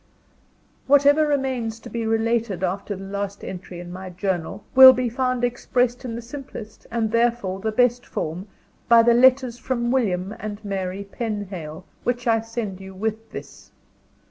Whatever remains to be related after the last entry in my journal, will be found expressed in the simplest, and therefore, the best form, by the letters from William and Mary Penhale, which I send you with this.